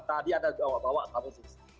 tadi anda bawa bawa staf khusus